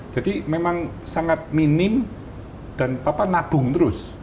jadi memang sangat minim dan papa nabung terus